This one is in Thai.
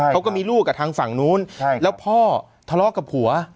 เขาก็มีลูกกับทางฝั่งนู้นแล้วพ่อทะเลาะกับผัว